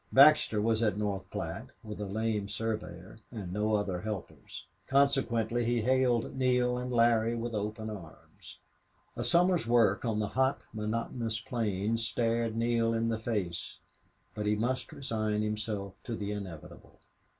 Baxter was at North Platte, with a lame surveyor, and no other helpers; consequently he hailed Neale and Larry with open arms. A summer's work on the hot monotonous plains stared Neale in the face, but he must resign himself to the inevitable.